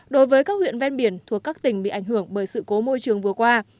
đối với các huyện ven biển thuộc các tỉnh bị ảnh hưởng bởi sự cố môi trường vừa qua